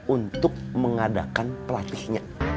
untuk mengadakan pelatihnya